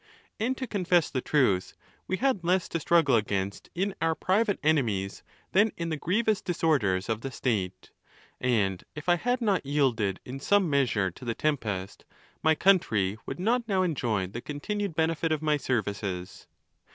And, to confess the truth, we had less to struggle' against in our private enemies than in the grievous disorders of the state; and if I had not yielded in some measure to the tempest, my country would not now enjoy the continued benefit of my services.